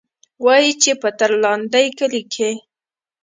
وايي چې پۀ ترلاندۍ کلي کښې